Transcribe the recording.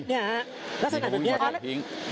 ลักษณะแบบนี้ครับ